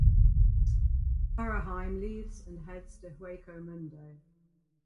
Orihime leaves and heads to Hueco Mundo.